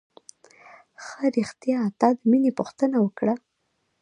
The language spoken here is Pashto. ښه رښتيا تا د مينې پوښتنه وکړه.